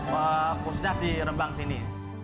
bukannya dirembang sini